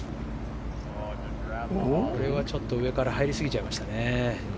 これはちょっと上から入りすぎましたね。